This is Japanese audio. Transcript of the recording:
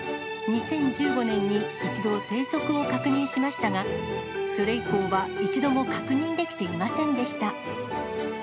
２０１５年に一度、生息を確認しましたが、それ以降は一度も確認できていませんでした。